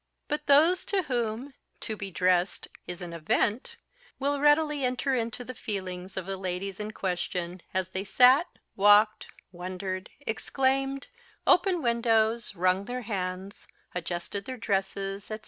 But those to whom _to be dressed _is an event will readily enter into the feelings of the ladies in question as they sat, walked, wondered, exclaimed, opened windows, wrung their hands, adjusted their dress, etc.